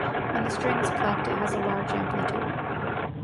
When the string is plucked, it has a large amplitude.